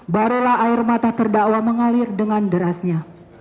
barulah air mata terdakwa mengalir dengan derasnya